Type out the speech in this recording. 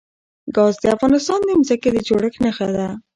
ګاز د افغانستان د ځمکې د جوړښت نښه ده.